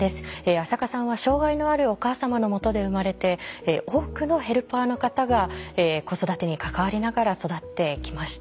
安積さんは障害のあるお母様のもとで生まれて多くのヘルパーの方が子育てに関わりながら育ってきました。